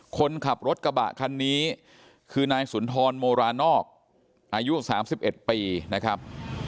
คนขับรถกระบะคันนี้คือนายสุนทรโมรานอกอายุ๓๑ปีนะครับ